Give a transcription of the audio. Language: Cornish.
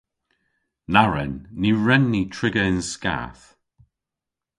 Na wren! Ny wren ni triga yn skath.